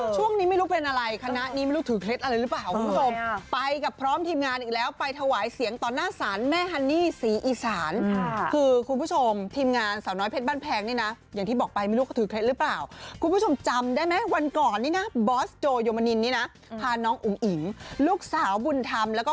ช่วงนี้ไม่รู้เป็นอะไรคณะนี้ไม่รู้ถือเคล็ดอะไรหรือเปล่าคุณผู้ชมไปกับพร้อมทีมงานอีกแล้วไปถวายเสียงต่อหน้าศาลแม่ฮันนี่ศรีอีสานค่ะคือคุณผู้ชมทีมงานสาวน้อยเพชรบ้านแพงนี่นะอย่างที่บอกไปไม่รู้เขาถือเคล็ดหรือเปล่าคุณผู้ชมจำได้ไหมวันก่อนนี่นะบอสโจยมนินนี่นะพาน้องอุ๋งอิ๋งลูกสาวบุญธรรมแล้วก็